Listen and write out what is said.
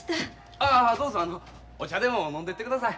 ああどうぞあのお茶でも飲んでってください。